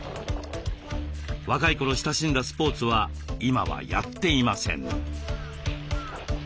若い頃親しんだスポーツは今はやっていません。